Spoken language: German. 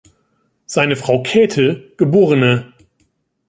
Seine Frau Käthe, geb.